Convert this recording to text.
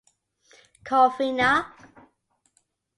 Corvina.